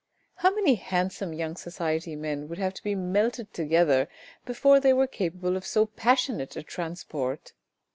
How many handsome young society men would have to be melted together before they were capable of so passionate a transport."